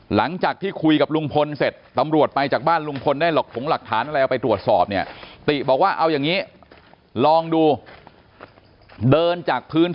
หลังจากที่คุยกับลุงพลเสร็จ